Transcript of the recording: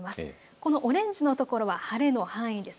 このオレンジの所は晴れの範囲です。